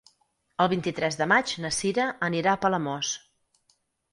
El vint-i-tres de maig na Sira anirà a Palamós.